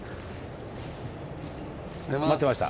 待ってました。